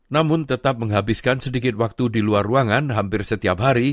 namun tetap menghabiskan sedikit waktu di luar ruangan hampir setiap hari